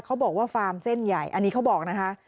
เขาบอกว่าฟาร์มเส้นใหญ่อันนี้เขาบอกนะคะ